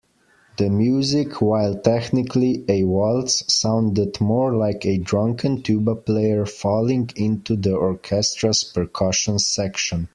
The music, while technically a waltz, sounded more like a drunken tuba player falling into the orchestra's percussion section.